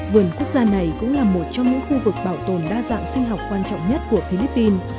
vườn quốc gia này cũng là một trong những khu vực bảo tồn đa dạng sinh học quan trọng nhất của philippines